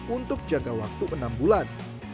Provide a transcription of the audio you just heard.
untuk jangka waktu enam bulan